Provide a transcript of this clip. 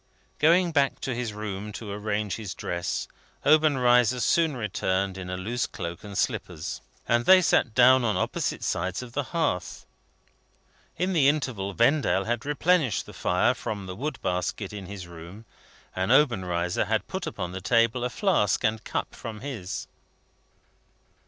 Going back to his room to arrange his dress, Obenreizer soon returned in a loose cloak and slippers, and they sat down on opposite sides of the hearth. In the interval Vendale had replenished the fire from the wood basket in his room, and Obenreizer had put upon the table a flask and cup from his.